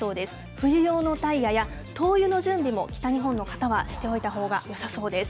冬用のタイヤや、灯油の準備も、北日本の方はしておいたほうがよさそうです。